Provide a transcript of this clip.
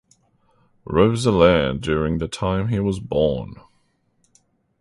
Roeselare during the time he was born.